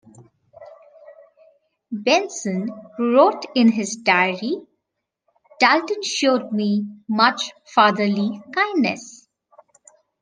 Benson wrote in his diary "Dalton showed me much fatherly kindness".